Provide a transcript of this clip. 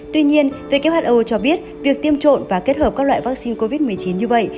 tuy nhiên who cho biết việc tiêm trộn và kết hợp các loại vaccine covid một mươi chín như vậy